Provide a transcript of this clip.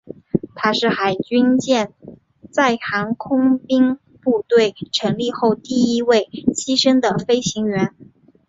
他是海军舰载航空兵部队成立后第一位牺牲的飞行员。